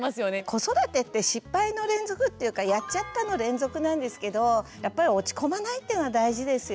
子育てって失敗の連続っていうか「やっちゃった！」の連続なんですけどやっぱり落ち込まないっていうのは大事ですよね。